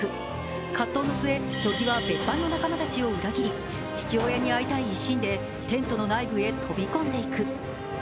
葛藤の末、乃木は別班の仲間たちを裏切り、父親に会いたい一心でテントの内部へ飛び込んでいく。